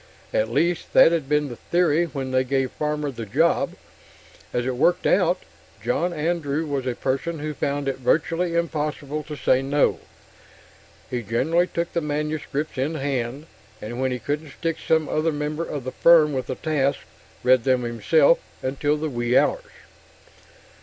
At least, that had been the theory when they gave Farmer the job; as it worked out, John Andrew was a person who found it virtually impossible to say "no"; he generally took the manuscripts in hand and, when he couldn't stick some other member of the firm with the task, read them himself until the wee hours.